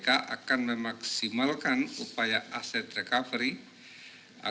maka kpk akan memaksimalkan upaya asetnya untuk memperkuatkan keuangan negara